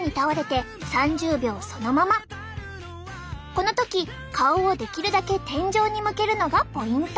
この時顔をできるだけ天井に向けるのがポイント。